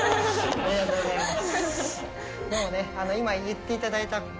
ありがとうございます。